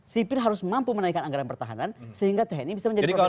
sipir harus mampu menaikkan anggaran pertahanan sehingga tni bisa menjadi profesi